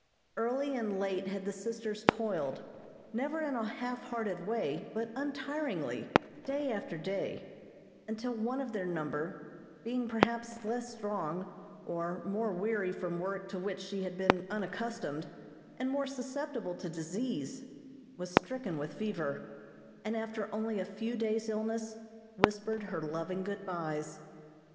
Early and late had the sisters toiled, never in a half hearted way, but untiringly, day after day, until one of their number, being perhaps less strong, or more weary from work to which she had been unaccustomed, and more susceptible to disease, was stricken with fever, and after only a few days' illness, whispered her loving good byes.